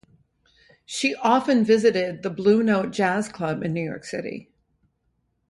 She often visited the Blue Note jazz club in New York City.